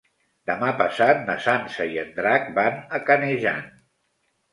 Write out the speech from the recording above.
Demà passat na Sança i en Drac van a Canejan.